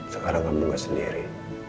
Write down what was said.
sekarang kamu gak sendiri